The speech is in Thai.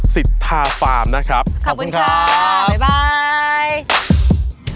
สิทธาฟาร์มนะครับขอบคุณครับบ๊ายบายขอบคุณครับบ๊ายบาย